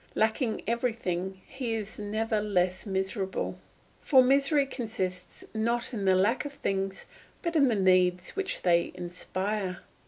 Lacking everything, he is never less miserable; for misery consists, not in the lack of things, but in the needs which they inspire.